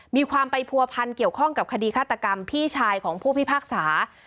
มีความไปผัวพันเกี่ยวข้องกับคดีฆาตกรรมพี่ชายของผู้พิพากษา